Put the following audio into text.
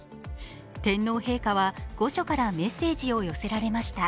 天皇陛下は御所からメッセージを寄せられました。